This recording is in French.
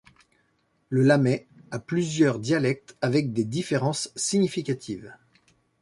Le lamet a plusieurs dialectes avec des différences significatives.